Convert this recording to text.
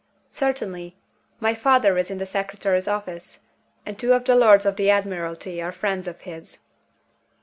"Certainly. My father is in the Secretary's office; and two of the Lords of the Admiralty are friends of his."